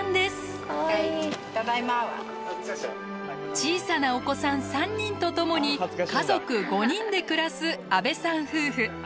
小さなお子さん３人とともに家族５人で暮らす安部さん夫婦。